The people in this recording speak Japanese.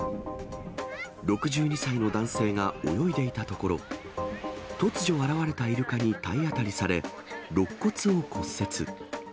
６２歳の男性が泳いでいたところ、突如現れたイルカに体当たりされ、ろっ骨を骨折。